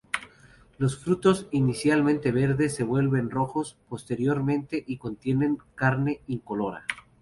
Los frutos inicialmente verdes se vuelven rojos posteriormente y contienen una carne incolora.